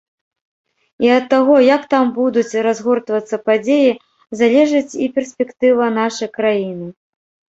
І ад таго, як там будуць разгортвацца падзеі, залежыць і перспектыва нашай краіны.